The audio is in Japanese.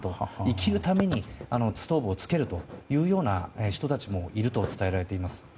生きるためにストーブをつけるという人たちもいると伝えられています。